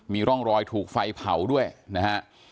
มีร่องรอยถูกไฟเผาด้วยนะฮะ